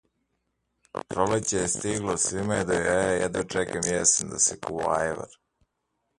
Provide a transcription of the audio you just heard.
Monkey only has three legs and hops around frequently.